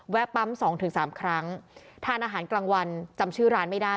แวะปั๊มสองถึงสามครั้งทานอาหารกลางวันจำชื่อร้านไม่ได้